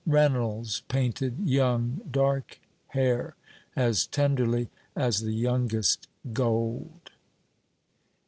Reynolds painted young dark hair as tenderly as the youngest gold.